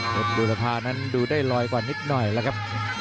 ดูสภานั้นดูได้ลอยกว่านิดหน่อยแล้วครับ